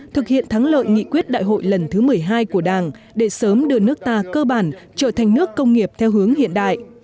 thực hiện thắng lợi nghị quyết đại hội lần thứ một mươi hai của đảng để sớm đưa nước ta cơ bản trở thành nước công nghiệp theo hướng hiện đại